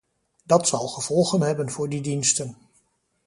Dat zal gevolgen hebben voor die diensten.